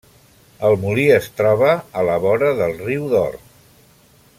El molí es troba a la vora del Riu d'Or.